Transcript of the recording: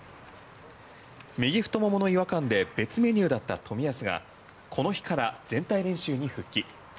右太ももの違和感で別メニューだった冨安がこの日から全体練習に復帰。